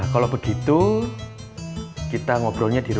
kalau begitu pak rizal kita akan berbicara